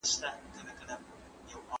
هغوی د خپل سياسي ګوند لپاره نوي غړي راجلبول.